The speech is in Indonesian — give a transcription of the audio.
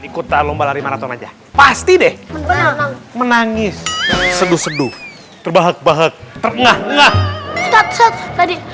ikutan lomba lari maraton aja pasti deh menang menangis seduh seduh terbahak bahak terengah engah cat cat tadi